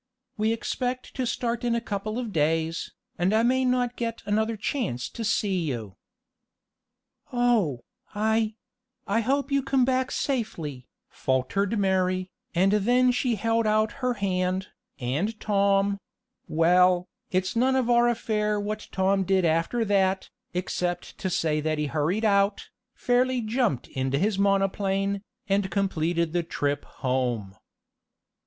"We expect to start in a couple of days, and I may not get another chance to see you." "Oh, I I hope you come back safely," faltered Mary, and then she held out her hand, and Tom well, it's none of our affair what Tom did after that, except to say that he hurried out, fairly jumped into his monoplane, and completed the trip home.